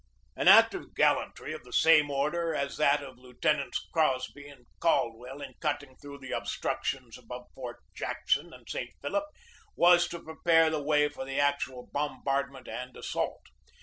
An act of gallantry of the same order as that of Lieutenants Crosby and Caldwell in cutting through the obstructions above Forts Jackson and St. Philip was to prepare the way for the actual bombardment and assault.